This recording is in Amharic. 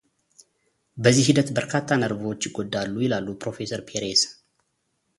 በዚህ ሂደት በርካታ ነርቮች ይጎዳሉ ይላሉ ፕሮፌሰር ፔሬዝ።